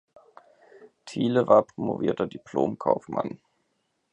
Thiele war promovierter Diplom-Kaufmann.